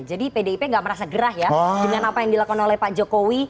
jadi pdip gak merasa gerah ya dengan apa yang dilakukan oleh pak jokowi